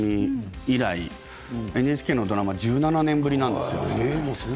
以来ＮＨＫのドラマ１７年ぶりなんですよ。